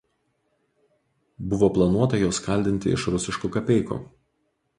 Buvo planuota juos kaldinti iš rusiškų kapeikų.